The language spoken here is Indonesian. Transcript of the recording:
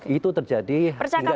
itu terjadi hingga sekarang